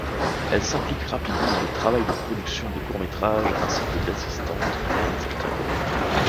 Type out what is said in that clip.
Elle s'implique rapidement dans le travail de production des courts-métrages ainsi que d'assistante-réalisateur.